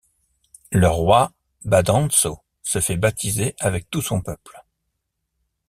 Leur roi Badanço se fait baptiser avec tout son peuple.